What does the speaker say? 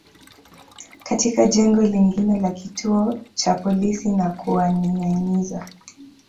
katika jengo lingine la kituo cha polisi na kuwaningâiniza